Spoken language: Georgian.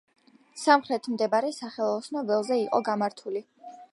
სამხრეთით მდებარე სახელოსნო ველზე იყო გამართული.